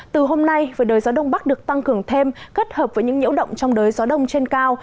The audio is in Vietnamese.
từ hôm nay với đời gió đông bắc được tăng cường thêm kết hợp với những nhiễu động trong đới gió đông trên cao